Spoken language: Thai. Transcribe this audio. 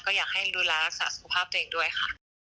ก็อยากให้ดูแลรักษาสุขภาพตัวเองด้วยค่ะ